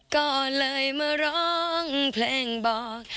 ก็เลยมาร้องเพลงบอก